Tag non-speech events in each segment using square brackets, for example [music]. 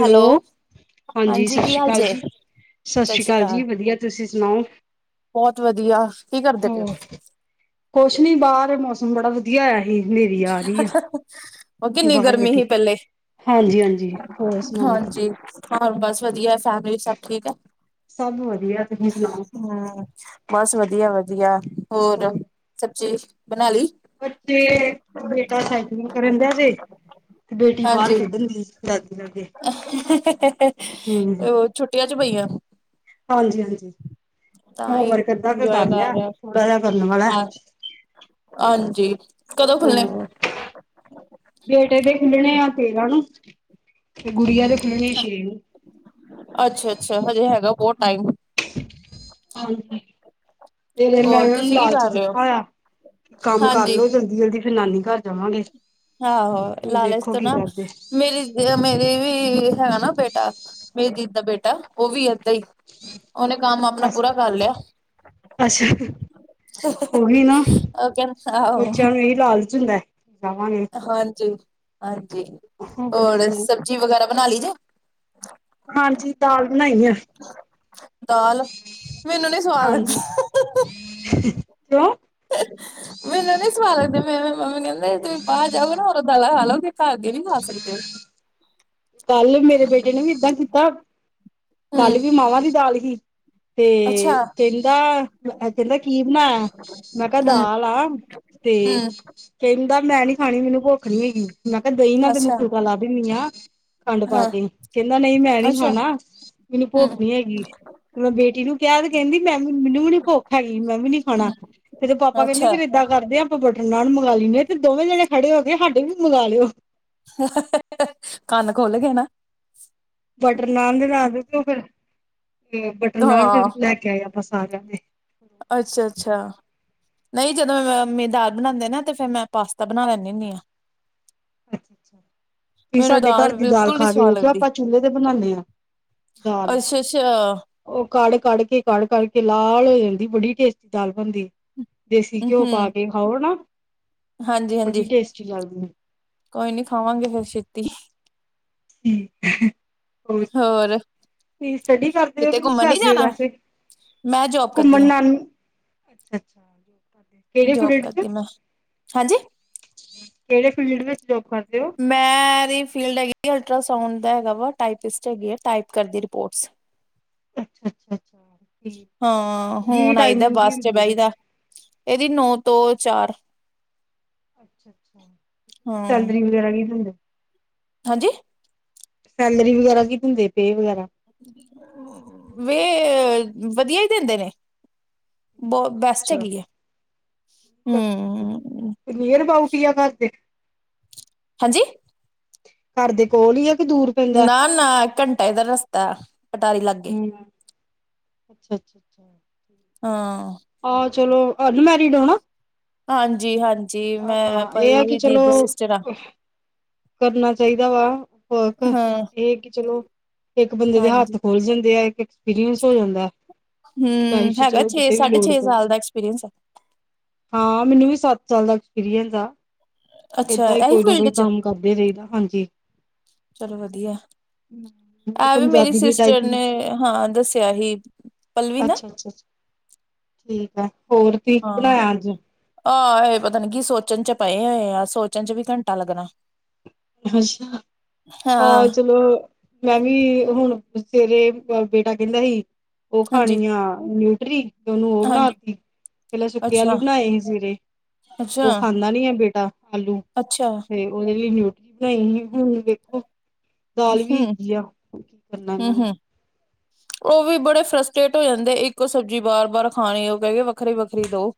Hello. ਹਾਂਜੀ ਸਤਿ ਕੀ ਸ਼੍ਰੀ ਹਾਲ ਅਕਾਲ ਜੇ ਜੀ, ਸਤਿ ਸ਼੍ਰੀ ਅਕਾਲ ਜੀ ਵਧੀਆ ਤੁਸੀਂ ਸੁਣਾਓ? ਬਹੁਤ ਵਧੀਆ ਕੀ ਕਰਦੇ ਪਏ ਓ? ਹੋਰ ਕੁਛ ਨੀ ਬਾਹਰ ਮੌਸਮ ਬੜਾ ਵਧੀਆ ਹੋਇਆ ਸੀ। ਹਨੇਰੀ ਆ ਰਹੀ ਆ। ਹੋਰ ਕਿੰਨੀ ਬਾਹਰ ਗਰਮੀ ਬੈਠੀ ਸੀ ਪਹਿਲੇ। ਹਾਂਜੀ ਹਾਂਜੀ ਹੋਰ ਸੁਣਾਓ? ਹਾਂਜੀ ਹੋਰ ਬਸ ਵਧੀਆ ਫੈਮਲੀ ਸਭ ਠੀਕ ਐ। ਸਭ ਵਧੀਆ ਤੁਸੀਂ ਸੁਣਾਓ? ਹੂੰ, ਬਸ ਵਧੀਆ-ਵਧੀਆ ਹੋਰ, ਸਬਜ਼ੀ ਬਣਾ ਲੀ? ਬੱਚੇ, ਬੇਟਾ ਸਾਇਕਲਿਗ ਕਰਨ ਡਿਆ ਜੇ। ਤੇ ਬੇਟੀ ਬਾਹਰ ਹਾਂਜੀ ਖੇਡਣ ਦਈ ਦਾਦੀ ਲਾਗੇ। ਉਹ ਛੁੱਟੀਆਂ ਜੋ ਪਈਆਂ। ਹਾਂਜੀ-ਹਾਂਜੀ, ਤਾਂ ਹੀ ਹੋਮਵਰਕ ਅੱਧਾ ਕੁ ਇੰਜੋਏ ਕਰ ਲਿਆ, ਰਿਹਾ ਥੋੜਾ ਜਾ ਕਰਨ ਵਾਲਾ। ਹਾਂ ਹਾਂਜੀ, ਕਦੋਂ ਖੁੱਲਣੇ? ਹੋਰ ਬੇਟੇ ਦੇ ਖੁਲਣੇ ਆ ਤੇਰਾ ਨੂੰ। ਤੇ ਗੁੜੀਆਂ ਦੇ ਖੁਲਣੇ ਛੇ ਨੂੰ। ਅੱਛਾ-ਅੱਛਾ ਹਜੇ ਹੈਗਾ ਬਹੁਤ ਟਾਈਮ। ਹਾਂਜੀ। ਤੇਰੇ ਮੈਂ ਹੋਰ ਨੂੰ ਤੁਸੀਂ ਕੀ ਲਾਲਚ ਕਰ ਰਹੇ ਹੋ ਦਿੱਤਾ ਹੋਇਆ, ਕਿ ਕੰਮ ਹਾਂਜੀ ਕਰਲੋ ਜਲਦੀ-ਜਲਦੀ ਫੇਰ ਨਾਨੀ ਘਰ ਜਾਵਾਂਗੇ। ਆਹੋ ਹੁਣ ਲਾਲਚ ਵੇਖੋ ਤੋਂ ਕੀ ਨਾ, ਕਰਦੇ ਮੇਰੀ ਮੇਰੇ ਵੀ ਹੈਗਾ ਨਾ ਬੇਟਾ, ਮੇਰੀ ਦੀਦੀ ਦਾ ਬੇਟਾ ਉਹ ਵੀ ਏਦਾਂ ਈ। ਉਹਨੇ ਕੰਮ ਆਪਣਾ ਅਸ ਪੂਰਾ ਕਰ ਲਿਆ। ਅੱਛਾ, ਉਹੀ ਨਾ ਉਹ ਕਹਿੰਦਾ ਆਹੋ ਬੱਚਿਆਂ ਨੂੰ ਇਹੀ ਲਾਲਚ ਹੁੰਦਾ। ਜਾਵਾਂਗੇ। ਹਾਂਜੀ, ਹਾਂਜੀ ਹੋਰ ਸਬਜ਼ੀ ਵਗੈਰਾ ਬਣਾ ਲਈ ਜੇ? ਹਾਂਜੀ ਦਾਲ ਬਣਾਈ ਆ। ਦਾਲ ਮੈਨੂੰ ਨੀ ਸਵਾਦ ਲੱਗਦੀ ਹਾਂਜੀ। ਕਿਉਂ ਸਵੇਰੇ ਸਵਾ ਲੱਗਦੇ ਮੇਰੇ ਮੰਮੀ ਕਹਿੰਦੇ ਤੁਸੀਂ ਬਾਹਰ ਜਾਓਗੇ ਨਾ ਉਦੋ ਦਾਲਾ ਖਾ ਲਓਗੇ ਘਰ ਦੇ ਨੀ ਖਾ ਸਕਦੇ। ਕੱਲ ਮੇਰੇ ਬੇਟੇ ਨੇ ਵੀ ਇਦਾਂ ਕੀਤਾ ਕੱਲ ਹੂੰ ਵੀ ਮਾਵਾਂ ਦੀ ਦਾਲ ਹੀ। ਤੇ ਅੱਛਾ ਕੇਂਦਾ ਏ ਕੈਂਦਾ ਕੀ ਬਣਾਇਆ। ਮੈਂ ਕਾ ਹੂੰ ਦਾਲ ਆ ਤੇ ਹੂੰ ਕੈਂਦਾ ਮੈਂ ਨੀ ਖਾਣੀ ਮੈਨੂੰ ਭੁੱਖ ਨੀ ਹੈਗੀ ਮੈਂ ਮੈਂ ਕਾ ਦਈ ਨਾਲ ਤੇੈਨੂੰ ਅੱਛਾ ਫੁਕਾ ਲਾ ਦਿੰਨੀ ਆ ਖੰਡ ਪਾ ਹਾਂ ਕੇ ਕੈਂਦਾ ਨਈ ਮੈਂ ਨੀ ਅੱਛਾ ਖਾਣਾ ਮੈਨੂੰ ਹੂੰ ਭੁੱਖ ਨੀ ਹੈਗੀ। ਮੈਂ ਬੇਟੀ ਨੂੰ ਕਿਆ ਵੀ ਕੈਂਦੀ ਮੈਂ ਵੀ ਮੈਨੂੰ ਵੀ ਨੀ ਭੁੱਖ ਹੈਗੀ ਮੈਂ ਵੀ ਨੀ ਖਾਣਾ। ਮੇਰੇ ਪਾਪਾ ਕੈਂਦੇ ਅੱਛਾ ਫਿਰ ਇਦਾਂ ਕਰਦੇ ਆ ਆਪਾਂ ਬਟਰ ਨਾਨ ਮੰਗਾਂ ਲੀਨੇ ਆ ਤੇ ਦੋਵੇਂ ਜਣੇ ਖੜੇ ਹੋ ਕੇ ਸਾਡੇ ਵੀ ਮੰਗਵਾ ਲਿਓ। ਕੰਨ ਖੁਲਗੇ ਨਾ। ਬਟਰ ਨਾਨ ਦੇ ਲਾ [unintelligible] ਫਿਰ ਬਟਰ ਨਾਨ ਹਾਂ ਫਿਰ ਲੈ ਕੇ ਆਏ ਆਪਾਂ ਸਾਰਿਆਂ ਦੇ। ਅੱਛਾ-ਅੱਛਾ ਨਈ ਜਦੋਂ ਮ ਮੰਮੀ ਦਾਲ ਬਣਾਂਦੇ ਨਾ ਤੇ ਫੇਰ ਮੈਂ ਪਾਸਤਾ ਬਣਾ ਲੈਂਨੀ ਹੁੰਨੀ ਆ ਵੀ ਮੈਨੂੰ ਸਾਡੇ ਘਰ ਦੀ ਦਾਲ ਬਿਲਕੁਲ ਨੀ ਖਾ ਕੇ ਸਵਾਦ ਵੇਖਿਓ ਲੱਗਦੀ ਆਪਾਂ ਚੁੱਲੇ ਤੇ ਬਣਾਨੇ ਆ। ਅੱਛਾ-ਅੱਛਾ ਓ ਕੜ-ਕੜ ਕੇ ਕੜ-ਕੜ ਕੇ ਲਾਲ ਹੋ ਜਾਂਦੀ ਬੜੀ ਟੇਸਟੀ ਦਾਲ ਬਣਦੀ। ਦੇਸੀ ਘਿਓ ਪਾ ਹੂੰ ਕੇ ਖਾਓ ਨਾ ਹਾਂਜੀ-ਹਾਂਜੀ ਬੜੀ ਟੇਸਟੀ ਲਗਦੀ। ਕੋਈ ਨੀ ਖਾਵਾਂਗੇ ਫੇਰ ਛੇਤੀ। ਹੋਰ ਸੁਣਾ ਹੋਰ [unintelligible] ਸਟੱਡੀ ਕਰਦੇ ਓ ਕਿਤੇ [unintelligible] ਘੁੰਮਣ ਨੀ ਕਰਦੇ ਓ ਜਾਣਾ ਵੈਸੇ। ਮੈਂ ਜੋਬ ਕਰਦੀ ਘੁੰਮਣ ਆ। ਨਾਲ [inaudible] ਜੋਬ ਕਰਦੀ ਮੈਂ ਹਾਂਜੀ। ਕੇੜੇ ਫੀਲਡ ਵਿੱਚ ਜੋਬ ਕਰਦੇ ਓ? ਮੈਂ ਰੀ ਫੀਲਡ ਹੈਗੀ ਅਲਟਰਾਸਾਊਂਡ ਦਾ ਹੈਗਾ ਵਾ ਟਪਿਸਟ ਹੈਗੀ ਆ ਟਾਈਪ ਕਰਦੀ ਰਿਪੋਰਟਸ। ਅੱਛਾ-ਅੱਛਾ-ਅੱਛਾ ਹਾਂ ਹੁਣ ਆਈਦਾ ਬੱਸ ਚ ਹੁੰਦੀ ਇਹਦੇ ਬਈਦਾ ਏਦੀ ਨੌ ਤੋਂ ਚਾਰ। ਹਾਂ ਸੈਲਰੀ ਵਗੈਰਾ ਨੀ ਦਿੰਦੇ। ਹਾਂਜੀ? ਸੈਲਰੀ ਵਗੈਰਾ ਕੀ ਦਿੰਦੇ ਪੇ ਵਗੈਰਾ? ਵੇ ਵਧੀਆ ਈ ਦਿੰਦੇ ਨੇ। ਬੋ ਬੈਸਟ ਅੱਛਾ ਹੈਗੀ ਐ ਹੂੰ। ਨੀਅਰ ਅਬਾਊਟ ਈ ਆ ਘਰ ਦੇ? ਹਾਂਜੀ? ਘਰ ਦੇ ਕੋਲ ਈ ਆ ਕ ਦੂਰ? ਪੈਂਦਾ ਨਾ-ਨਾ ਇੱਕ ਘੰਟੇ ਦਾ‌ ਰਸਤਾ ਪਟਾਰੀ ਲਾਗੇ। ਹਮ ਅੱਛਾ ਛਾ-ਛਾ ਹਾਂ। ਆ ਚਲੋ ਅਨਮੈਰਿਡ ਓ ਨਾ। ਹਾਂਜੀ-ਹਾਂਜੀ ਮੈਂ ਹਾਂ ਇਹ ਆ ਕਿ ਪਲਵੀ ਚਲੋ ਦੀ-ਦੀ ਸਿਸਟਰ ਆ। ਕਰਨਾ ਚਾਈਦਾ ਵਾ ਵਰਕ ਹਾਂ ਏ ਕੀ ਚਲੋ ਇੱਕ ਬੰਦੇ ਦੇ ਹਾਂਜੀ ਹੱਥ ਖੁਲ ਜਾਂਦੇ ਆ ਇੱਕ ਐਕਸਪੀਰੀਐਂਸ ਹੋ ਜਾਂਦਾ। ਲਾਈਫ ਹੂੰ ਚ ਹੈਗਾ ਚਲੋ ਛੇ ਕਿਤੇ ਵੀ ਸਾਢੇ ਲੋੜ ਛੇ ਪਵੇ ਸਾਲ ਦਾ ਐਕਸਪੀਰੀਐਂਸ। ਹਾਂ ਮੈਨੂੰ ਵੀ ਸੱਤ ਸਾਲ ਦਾ ਐਕਸਪੀਰੀਐਂਸ ਆ ਅੱਛਾ ਏਦਾਂ ਈ ਇਹੀ ਕੋਈ ਨਾ ਫੀਲਡ ਕੋਈ ਚ ਕੰਮ ਕਰਦੇ ਰਾਇਦਾ ਹਾਂਜੀ ਚਲੋ ਵਧੀਆ ਪੰਜਾਬੀ ਦੀ ਟਾਈਪਿੰਗ ਏ ਹਾਂ ਦੱਸਿਆ ਹੀ। ਪਲਵੀ ਨਾ ਅੱਛਾ-ਅੱਛਾ ਠੀਕ ਐ ਹੋਰ ਤੁਸੀਂ ਕੀ ਬਣਾਇਆ ਅੱਜ? ਆਹੋ ਇਹ ਪਤਾ ਨ ਕੀ ਸੋਚਣ ਚ ਪਏ ਹੋਏ ਆ ਸੋਚਣ ਚ ਵੀ ਘੰਟਾ ਲੱਗਣਾ ਅੱਛਾ ਹਾਂ ਚਲੋ ਮੈਂ ਵੀ ਹੁਣ ਸਵੇਰੇ ਬੇਟਾ ਕਹਿੰਦਾ ਸੀ ਉਹ ਹਾਂਜੀ ਖਾਣੀ ਆ ਨਿਊਟਰੀ ਓਨੂੰ ਉਹ ਬਣਾ ਹਾਂਜੀ ਤ ਪੈਲਾਂ ਸੁੱਕੇ ਅੱਛਾ ਆਲੂ ਬਣਾਏ ਸੀ ਸੇਰੇ ਅੱਛਾ ਉਹ ਖਾਂਦਾ ਨੀ ਹੈ ਬੇਟਾ ਆਲੂ ਅੱਛਾ ਤੇ ਉਹਦੇ ਲਈ ਨਿਊਟਰੀ ਬਣਾਈ ਸੀ ਹੁਣ ਵੇਖੋ ਦਾਲ ਵੀ ਹਮ ਹੈਗੀ ਆ ਕੀ ਕਰਨਾ ਹਮ ਇਹਨਾਂ ਹਮ ਨੇ ਉਹ ਵੀ ਬੜੇ ਫਰਸਟਰੇਟ ਹੋ ਜਾਂਦੇਆ ਇੱਕੋ ਸਬਜ਼ੀ ਬਾਰ ਬਾਰ ਖਾਣੀ ਉਹ ਕਹਿ ਕੇ ਵੱਖਰੀ ਵੱਖਰੀ ਦੋ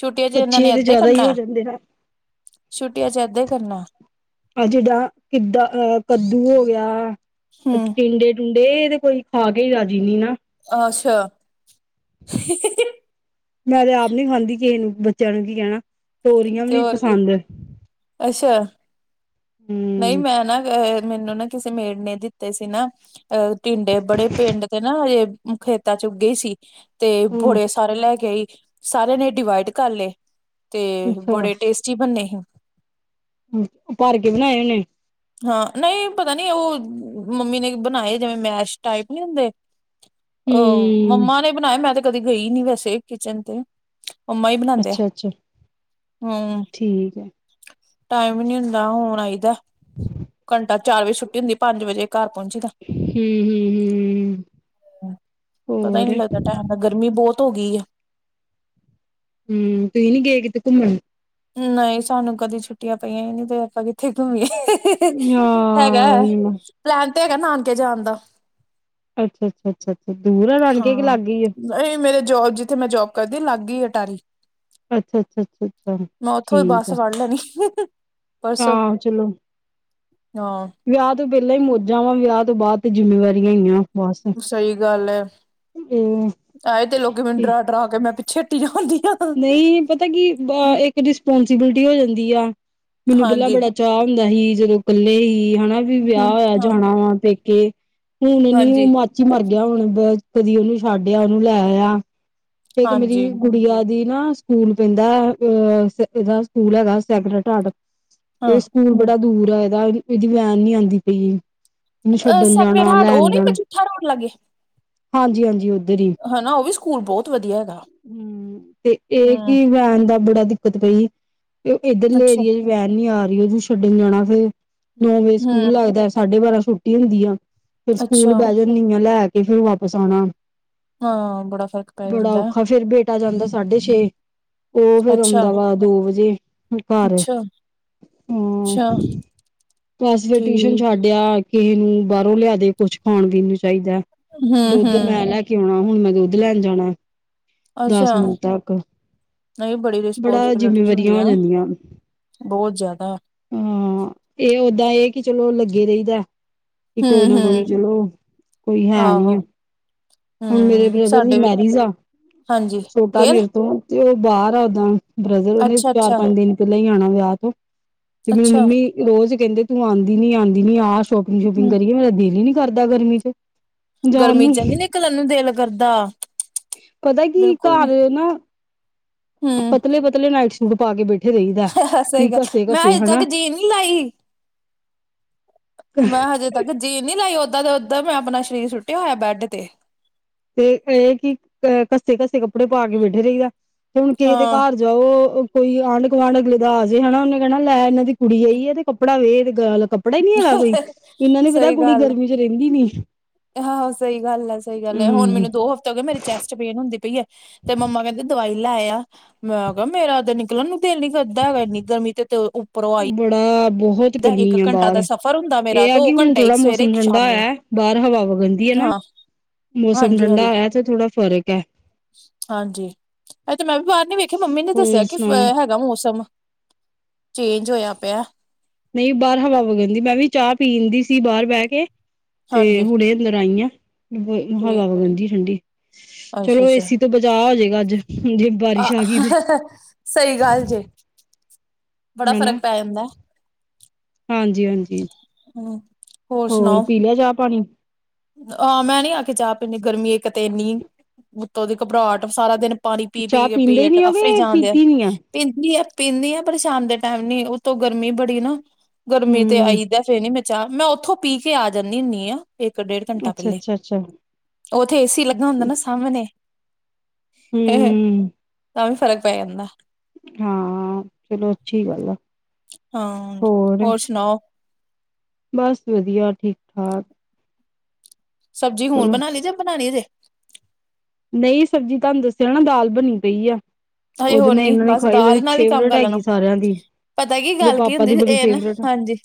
ਛੁੱਟੀਆਂ ਚ ਇਹਨਾਂ ਨੇ ਬੱਚੇ ਤੇ ਐੱਧੇ ਜ਼ਿਆਦਾ ਹੀ ਹੋ ਕਰਨਾ ਜਾਂਦੇ ਆ ਛੁੱਟੀਆਂ ਚ ਏਧੇ ਕਰਨਾ ਆ ਜਿਦਾਂ ਕਿਦ ਅਹ ਕੱਦੂ ਹੋ ਗਿਆ ਹੂੰ, ਟਿੰਡੇ ਡੁੰਡੇ ਏ ਤੇ ਕੋਈ ਖਾ ਕੇਈ ਰਾਜੀ ਨੀ ਨਾ ਅੱਛਾ ਮੈਂ ਤੇ ਆਪ ਨੀ ਖਾਂਦੀ ਕਿਸੇ ਨੂੰ ਬੱਚਿਆਂ ਨੂੰ ਕੀ ਕਹਿਣਾ ਤੋਰੀਆਂ ਵੀ ਤੇ ਨਹੀਂ ਹੋਰ ਕੀ ਪਸੰਦ ਅੱਛਾ ਨਹੀਂ ਹੂੰ ਮੈਂ ਨਾ ਮੈਨੂੰ ਨਾ ਕਿਸੇ ਮੇੜ ਨੇ ਦਿੱਤੇ ਸੀ ਨਾ ਅਹ ਟਿੰਡੇ ਬੜੇ ਪਿੰਡ ਤੇ ਨਾ ਖੇਤਾਾਂ ਚ ਉ ਗੇ ਈ ਸੀ ਤੇ ਹੂੰ ਬੜੇ ਸਾਰੇ ਲੈ ਕੇ ਆਈ ਸਾਰਿਆਂ ਨੇ ਡਿਵਾਈਡ ਕਰ ਲਏ ਅਤੇ ਅੱਛਾ ਬੜੇ ਟੇਸਟੀ ਬਣੇ ਸੀ ਭਰ ਕੇ ਬਣਾਏ ਉਹਨੇ ਹਾਂ ਨਹੀਂ ਪਤਾ ਨੀ ਉਹ ਮੰਮੀ ਨੇ ਬਣਾਏ ਜਿਵੇਂ ਮੈਸ਼ ਟਾਈਪ ਨਹੀਂ ਹੁੰਦੇ ਅਹ ਹੂੰ ਮੰਮਾ ਨੇ ਬਣਾਏ ਮੈਂ ਤੇ ਕਦੀ ਗਈ ਨੀ ਵੈਸੇ ਕਿਚਨ ਤੇ ਅੰਮਾ ਹੀ ਬਣਾਉਦੇ ਆ ਅੱਛਾ ਅੱਛਾ ਹਮ ਠੀਕ ਹੈ ਟੈਮ ਹੀ ਨਹੀਂ ਹੁੰਦਾ ਹੁਣ ਆਈਦਾ ਘੰਟਾ ਚਾਰ ਵਜੇ ਛੱਟੀ ਹੁੰਦੀ ਪੰਜ ਵਜੇ ਘਰ ਪਹੁੰਚੀਦਾ ਹਮ ਹਮ ਹਮ ਪਤਾ ਹੀ ਹੋਰ ਨੀ ਲੱਗਦਾ ਗਰਮੀ ਬੋਤ ਹੋ ਗਈ ਏ ਹਮ ਤੁਹੀ ਨਹੀ ਗਏ ਕਿਤੇ ਘੁੰਮਣ ਨਹੀਂ ਸਾਨੂੰ ਕਦੇ ਛੁੱਟੀਆਂ ਪਈਆਂ ਹੀ ਨਹੀਂ ਤੇ ਆਪਾਂ ਕਿੱਥੇ ਘੁੰਮੀਏ ਹੈਗਾ ਹਾਂ ਹੈ ਪਲੈਨ ਤੇ ਹੈਗਾ ਨਾਨਕੇ ਜਾਣ ਦਾ ਅੱਛਾ ਅੱਛਾ ਅੱਛਾ ਅੱਛਾ ਦੂਰ ਆ ਨਾਨਕੇ ਕੇ ਕੀ ਹਾਂ ਲਾਗੇ ਹੀ ਆ ਨਹੀਂ ਮੇਰੇ ਜੋਬ ਜਿੱਥੇ ਮੈਂ ਜੋਬ ਕਰਦੀ ਲਾਗੇ ਈ ਅਟਾਰੀ ਅੱਛਾ ਅੱਛਾ ਅੱਛਾ ਅੱਛਾ ਮੈਂ ਉੱਥੋਂ ਹੀ ਠੀਕ ਬੱਸ ਆ ਫੜ ਲੈਣੀ ਪਰਸੋ ਆਹੋ ਚਲੋ ਹਾਂ ਵਿਆਹ ਤੋਂ ਪੈਲਾਂ ਹੀ ਮੌਜਾਂ ਵਾ ਵਿਆਹ ਤੋਂ ਬਾਅਦ ਤੇ ਜਿੰਮੇਵਾਰੀਆਂ ਹੀ ਆ ਬਸ ਸਹੀ ਗੱਲ ਆ ਆਏ ਤੇ ਲੋਕੀ ਮੈਨੂੰ ਇਹ ਡਰਾ ਡਰਾ ਕੇ ਮੈਂ ਪਿੱਛੇ ਹੱਟੀ ਜਾ ਹੁੰਦੀ ਹਾਂ ਨਹੀਂ ਪਤਾ ਕਿ ਇੱਕ ਰਿਸਪਾਂਸੀਬਿਲਿਟੀ ਹੋ ਜਾਂਦੀ ਆ ਮੈਨੂੰ ਪੈਲਾਂ ਹਾਂਜੀ ਬੜਾ ਚਾਅ ਹੁੰਦਾ ਸੀ ਜਦੋਂ ਇਕੱਲੇ ਹੀ ਹਨਾ ਵੀ ਹੂੰ ਵਿਆਹ ਹੋਇਆ ਹਾਂ ਜਾਣਾ ਵਾ ਪੇਕੇ। ਹੁਣ ਨੀ ਹਾਂਜੀ, ਉਹ ਮਾਚੀ ਮਰ ਗਿਆ ਹੁਣ ਕਦੀ ਉਹਨੂੰ ਛੱਡਿਆ ਉਹਨੂੰ ਲੈ ਆਇਆ ਤੇ ਇੱਕ ਹਾਂਜੀ ਮੇਰੀ ਗੁੜੀਆ ਦੀ ਨਾ ਸਕੂਲ ਪੈਂਦਾ ਆ ਇਹਦਾ ਸਕੂਲ ਹੈਗਾ ਸੈਕਰਟ ਹਾਡ ਇਹ ਹਾਂ ਸਕੂਲ ਬੜਾ ਦੂਰ ਹੇਗਾ ਇਹਦਾ ਇਹਦੀ ਵੈਨ ਨੀ ਆਉਂਦੀ ਪਈ। ਨੂੰ ਅ ਛੱਡਣ ਸੈਕਰਡ ਜਾਣਾ ਹਾਰਟ ਉਹ ਲੈਣ ਨੀ ਜਾਣਾ ਮਜੀਠਾ ਰੋਡ ਲਾਗੇ ਹਾਂਜੀ-ਹਾਂਜੀ ਓਧਰ ਈ। ਹਨਾ ਓ ਵੀ ਸਕੂਲ ਬੋਤ ਵਧੀਆ ਹੈਗਾ। ਹੂੰ ਤੇ ਏ ਕੀ ਹੂੰ ਵੈਨ ਦਾ ਬੜਾ ਦਿੱਕਤ ਪਈ ਏ ਇੱਧਰਲੇ ਅੱਛਾ ਏਰੀਏ ਵੈਨ ਨੀ ਆਰੀ ਓ ਜੂ ਛੱਡਣ ਜਾਣਾ ਫਿਰ ਨੌ ਵਜੇ ਸਕੂਲ ਹੂੰ ਲੱਗਦੈ ਸਾਡੇ ਬਾਰਾਂ ਛੁੱਟੀ ਹੁੰਦੀ ਆ। ਫੇਰ ਸਕੂਲ ਅੱਛਾ ਬੈ ਜਾਂਨੀ ਆ ਲੈ ਕੇ ਫਿਰ ਵਾਪਿਸ ਆਣਾ। ਹਾਂ ਬੜਾ ਫ਼ਰਕ ਪੈ ਜਾਂਦੈ। ਫੇਰ ਬੇਟਾ ਜਾਂਦਾ ਸਾਡੇ ਛੇ। ਤੇ ਫੇਰ ਅੱਛਾ, ਓੰਦਾ ਵਾ ਦੋ ਵਜੇ ਵੀ ਘਰ। ਅੱਛਾ, ਹਾਂ ਅੱਛਾ ਬਸ ਫਿਰ ਟਿਊਸ਼ਨ ਠੀਕ ਛੱਡਿਆ। ਕਿਹੇ ਨੂੰ ਬਾਰੋਂ ਲਿਆ ਦੇ ਕੁਛ ਖਾਣ-ਪੀਨ ਨੂੰ ਚਾਈਦੈ ਦੁੱਧ ਹੂੰ-ਹੂੰ ਮੈ ਲੈ ਕੇ ਓਣਾ ਹੁਣ ਮੈਂ ਦੁੱਧ ਲੈਣ ਜਾਣਾ। ਦਸ ਅੱਛਾ ਮਿੰਟ ਤੱਕ ਨਈ ਬੜੀ ਬੜਾ ਰਿਸਪੋਂਸੀਬਿਲਟੀਜ਼ ਜਿੰਮੇਵਾਰੀਆਂ ਹੋ ਹੁੰਦੀਆਂ। ਜਾਂਦੀਆਂ ਬੋ ਜਾਦਾ। ਹਾਂ ਏ ਓਦਾਂ ਏ ਕੀ ਚਲੋ ਲੱਗੇ ਰਈਦੈ। ਕੀ ਕੋਈ ਨਾ ਕੋਈ ਹੂੰ-ਹੂੰ ਚਲੋ ਕੋਈ ਹੈ ਨੀ ਆਹੋ ਆ। ਹੁਣ ਮੇਰੇ ਹੂੰ ਬ੍ਰਦਰ ਦੀ ਸਾਡੇ ਵੀ ਮੈਰਿਜ ਆ ਹਾਂਜੀ ਛੋਟਾ ਰੇਲ ਮੇਰੇ ਤੋਂ। ਤੇ ਓ ਬਾਰ ਆ ਓਦਾਂ ਬ੍ਰਦਰ ਓਨੇ ਅੱਛਾ-ਅੱਛਾ, ਚਾਰ-ਪੰਜ ਦਿਨ ਪੈਲਾਂ ਈ ਆਣਾ ਵਿਆਹ ਤੋਂ। ਤੇ ਮੇਰੀ ਅੱਛਾ ਅੱਛਾ ਮੰਮੀ ਰੋਜ਼ ਕੈਂਦੇ ਤੂੰ ਆਂਦੀ ਨੀ ਆਂਦੀ ਨੀ ਆ ਸ਼ੋਪਿੰਗ - ਸ਼ੋਪਿੰਗ ਹੂੰ ਕਰੀਏ ਮੇਰਾ ਦਿਲ ਈ ਨੀ ਕਰਦਾ ਗਰਮੀ ਚ। ਜਾਣ ਗਰਮੀ ਨੂੰ ਚ ਨੀ ਨਿਕਲਣੇ ਨੂੰ ਦਿਲ ਕਰਦਾ ਪਤਾ ਕੀ ਬਿਲਕੁੱਲ ਨੀ। ਹੂੰ। ਪਤਲੇ-ਪਤਲੇ ਨਾਈਟ ਸੁਟ ਪਾ ਕੇ ਬੈ ਸਈ ਗੱਲ ਮੈਂ ਅਜੇ ਤੱਕ ਜੀਨ ਨੀ ਲਾਈ। ਮੈਂ ਹਜੇ ਤੱਕ ਜੀਨ ਨੀ ਲਾਈ ਓਦਾਂ ਦੇ ਓਦਾਂ ਮੈਂ ਆਪਣਾ ਸਰੀਰ ਸੁੱਟਿਆ ਹੋਇਆ ਬੈਡ ਤੇ। ਤੇ ਏ ਕੀ ਘੱਸੇ-ਘੱਸੇ ਕੱਪੜੇ ਪਾ ਕੇ ਬੈਠੇ ਰਈ ਆ ਤੇ ਹੁਣ ਕਿਸੇ ਦੇ ਹਾਂ ਘਰ ਜਾਓ ਕੋਈ ਆਂਢ-ਗੁਆਂਢ ਅਗਲੇ ਦਾ ਆਜੇ ਹੈਨਾ ਉਨੇ ਕੈਣਾ ਲੈ ਇਨਾਂ ਦੀ ਕੁੜੀ ਆਈ ਐ ਤੇ ਕੱਪੜਾ ਵੇਖ ਗਲ ਕੱਪੜਾ ਈ ਨੀ ਹੈਗਾ ਕੋਈ ਇਨਾਂ ਨੀ ਪਤਾ ਕੁੜੀ ਗਰਮੀ ਚ ਰੈਂਦੀ ਨੀ। ਆਹਾ ਸਈ ਗੱਲ ਐ ਸਈ ਗੱਲ ਐ ਹੁਣ ਹਮ ਮੈਨੂੰ ਦੋ ਹਫ਼ਤੇ ਹੋਗੇ ਮੇਰੀ ਚੈਸਟ ਪੇਨ ਹੁੰਦੀ ਪਈ ਐ। ਤੇ ਮੰਮਾ ਕੈਂਦੇ ਦਵਾਈ ਲੈ ਆ। ਮੈਂ ਕਿਆ ਮੇਰਾ ਤੇ ਨਿਕਲਣ ਨੂੰ ਦਿਲ ਨੀ ਕਰਦਾ ਹੈਗ ਇੰਨੀ ਗਰਮੀ ਤੇ ਉੱਪਰੋਂ ਆਈ ਬੜਾ ਬੋਹ ਤ ਦਾ ਇੱਕ ਗਰਮੀ ਆ ਘੰਟਾ ਦਾ ਬਾਰ ਸਫ਼ਰ ਹੁੰਦਾ ਮੇਰਾ ਏ ਆ ਦੋ ਕੀ ਹੁਣ ਘੰਟੇ ਇੱਕ ਥੋੜਾ ਸਵੇਰੇ ਮੌਸਮ ਇੱਕ ਠੰਡਾ ਸ਼ਾਮੀ ਹੋਇਐ ਬਾਰ ਹਵਾ ਵਗਨਦੀ ਐ ਨਾ ਹਾਂ ਮੌਸਮ ਹਾਂਜੀ ਠੰਡਾ ਹਾਂਜੀ ਹੋਇਆ ਤੇ ਥੋੜਾ ਫ਼ਰਕ ਐ। ਹਾਂਜੀ ਏ ਤੇ ਮੈਂ ਵੀ ਬਾਰ ਨੀ ਵੇਖਿਆ ਮੰਮੀ ਨੇ ਹੋਰ ਦੱਸਿਆ ਕੀ ਫ ਸੁਣਾਓ ਹੈਗਾ ਮੌਸਮ। ਚੇਂਜ ਹੋਇਆ ਪਿਆ। ਨਈ ਬਾਰ ਹਵਾ ਵਗਣਦੀ ਮੈਂ ਵੀ ਚਾਹ ਪੀਣਂਦੀ ਸੀ ਬਾਰ ਬੈ ਕੇ ਤੇ ਹਾਂਜੀ ਹੁਣੇ ਦਰ ਆਈਆਂ ਹਵਾ ਠੀਕ ਹੈ ਠੀਕ ਵਗਣਦੀ ਠੰਡੀ ਚਲੋ ਏਸੀ ਤੋਂ ਬਚਾਅ ਹੋ ਜੇਗਾ ਅੱਜ। ਜੇ ਅ ਬਾਰਿਸ਼ ਆ ਗਈ ਤੇ ਸਈ ਗੱਲ ਜੇ। ਬੜਾ ਫ਼ਰਕ ਪੈ ਜਾਂਦਾ। ਹਾਂਜੀ-ਹਾਂਜੀ ਹੂੰ। ਹੋਰ ਪੀ ਲਿਆ ਚਾਹ-ਪਾਣੀ? ਆ ਮੈਂ ਨੀ ਆਕੇ ਚਾਹ ਪੀਨੀ ਗਰਮੀ ਇੱਕ ਤੇ ਇੰਨੀ ਉੱਤੋਂ ਦੀ ਘਬਰਾਹਟ ਸਾਰਾ ਦਿਨ ਪਾਣੀ ਪੀ-ਪੀ ਚਾਹ ਕੇ ਪੀਂਦੇ ਹੀ ਪੇਟ ਨੀ ਅਫਰੀ ਹੋਗੇ ਜਾਣ ਦਿਆ। ਪੀਤੀ ਨੀ ਆ ਪੀਂਦੀ ਆ ਪੀਂਦੀ ਆ ਪਰ ਸ਼ਾਮ ਦੇ ਟੈਮ ਨੀ ਉਤੋਂ ਗਰਮੀ ਬੜੀ ਨਾ। ਗਰਮੀ ਤੇ ਹਮ ਆਈ ਦਾ ਫੇਰ ਨੀ ਮੈਂ ਚਾਹ ਮੈਂ ਓਥੋ ਪੀ ਕੇ ਆ ਜਾਂਨੀ ਹੁੰਨੀ ਆ ਇੱਕ-ਡੇਢ ਘੰਟਾ ਅੱਛਾ ਪੈਲੇ ਅੱਛਾ ਅੱਛਾ ਓਥੇ ਏਸੀ ਲੱਗਾ ਹੁੰਦਾ ਨਾ ਸਾਮਣੇ। [inaudible] ਹਮ ਤਾਂ ਵੀ ਫ਼ਰਕ ਪੈ ਜਾਂਦਾ। ਹਾਂ, ਚਲੋ ਅੱਛੀ ਗੱਲ ਆ, ਹਾਂ। ਹੋਰ? ਸੁਣਾਓ ਬਸ ਵਧੀਆ, ਠੀਕ - ਠਾਕ। ਸਬਜ਼ੀ ਹੁਣ ਚਲੋ ਬਣਾ ਲਈ ਜਾਂ ਬਣਾਹਣੀ ਹਲੇ? ਨਹੀਂ, ਸਬਜ਼ੀ ਤੁਹਾਨੂੰ ਦੱਸਿਆ ਨਾ ਦਾਲ ਬਣੀ ਪਈ ਆ ਹਜੇ ਉਹਦੇ ਹੋਰ ਨਾਲ ਨੀ ਇਹਨਾਂ ਨੇ ਬਸ ਖਾਈ ਹੋਏ ਦਾਲ ਨਾਲ ਹੀ ਕੰਮ ਫੇਵਰੇਟ ਕਰ ਲੈਣਾ ਹੈਗੀ ਸਾਰਿਆਂ ਦੀ। ਪਤਾ ਕੀ ਇਹਦੇ ਗੱਲ ਕੀ ਪਾਪਾ ਹੁੰਦੀ ਦੀ ਸੀ, ਬੜੀ ਇਹ ਨਾ ਫੇਵਰੇਟ ਹਾਂਜੀ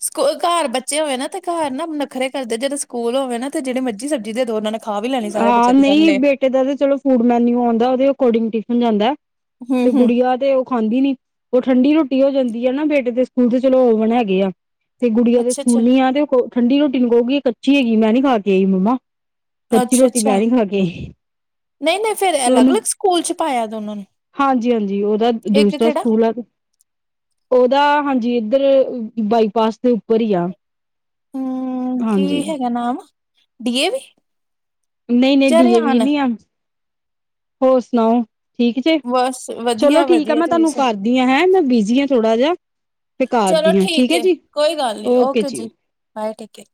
ਸਕੂ ਘਰ ਬੱਚੇ ਹੋਏ ਨਾ ਤੇ ਘਰ ਨਾ ਨੱਖਰੇ ਕਰਦੇ, ਜਦੋਂ ਸਕੂਲ ਹੋਵੇ ਨਾ ਤੇ ਜਿਹੜੇ ਮਰਜੀ ਸਬਜ਼ੀ ਦੇ ਦੌ ਉਨ੍ਹਾਂ ਨੂੰ ਖਾ ਵੀ ਲੈਣੀ ਸਾਰੇ ਬੱਚੇ ਹਾਂ ਦੇ ਨਹੀਂ ਸਾਮ੍ਹਣੇ। ਬੇਟੇ ਦਾ ਤੇ ਚਲੋ ਫੂਡ ਮੈਨਊ ਆਉਂਦਾ ਉਹਦੇ ਅਕੋਡਿੰਗ ਟਿਫਨ ਜਾਂਦਾ, ਹੂੰ ਤੇ ਹੂੰ ਗੁੜੀਆ ਦੇ ਖਾਂਦੀ ਨੀ ਉਹ ਠੰਡੀ ਰੋਟੀ ਹੋ ਜਾਂਦੀ ਏ ਨਾ ਬੇਟੇ ਦੇ ਸਕੂਲ ਤੇ ਚਲੋ ਓਵਨ ਹੈਗੇ ਆ। ਤੇ ਗੁੜੀਆਂ ਦੇ ਅੱਛਾ ਅੱਛਾ ਸਕੂਲ ਨੀ ਆ ਤੇ ਉਹ ਠੰਡੀ ਰੋਟੀ ਨੀ ਕਹੁਗੀ ਕੱਚੀ ਹੈਗੀ, ਮੈਂ ਨੀ ਖਾ ਕੇ ਆਈ ਮੰਮਾ ਕੱਚੀ ਅੱਛਾ ਰੋਟੀ ਅੱਛਾ ਮੈਂ ਨੀ ਖਾਕੇ ਆਈ। ਨਹੀਂ- ਨਹੀਂ ਫਿਰ ਅਲੱਗ- ਉਹਨੂੰ ਅਲੱਗ ਸਕੂਲ ਚ ਪਾਇਆ ਦੋਨਾਂ ਨੂੰ? ਹਾਂਜੀ- ਹਾਂਜੀ, ਉਹਦਾ ਇੱਕ ਦੂਸਰਾ ਕਿਹੜਾ ਸਕੂਲ ਆ ਉਹਦਾ ਹਾਂਜੀ ਇੱਧਰ ਬਾਈਪਾਸ ਦੇ ਉੱਪਰ ਹੀ ਆ। ਹਮ ਕੀ ਹਾਂਜੀ ਹੈਗਾ ਨਾਮ? D A V? ਨਹੀਂ- ਨਹੀਂ ਡੀਏ ਵੀ ਨਹੀਂ ਆ, ਹੋਰ ਸੁਣਾਓ? ਠੀਕ ਜੇ, ਬਸ ਚਲੋ ਵਧੀਆ ਠੀਕ ਆ ਵਧੀਆ ਮੈਂ ਤੁਸੀਂ ਤੁਹਾਨੂੰ ਸੁਣਾਓ। ਕਰਦੀ ਹਾਂ ਹੈਂ, ਮੈਂ ਬਿਜ਼ੀ ਹਾਂ ਥੋੜਾ ਜਿਹਾ। ਤੇ ਚਲੋ ਕਰਦੀ ਹਾਂ ਠੀਕ ਹੈ ਏ, ਜੀ ਕੋਈ ਗੱਲ ਨੀ, ਓਕੇ ਜੀ ਬਾਏ ਠੀਕ ਹੈ।